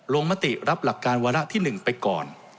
มติรับหลักการวาระที่๑ไปก่อน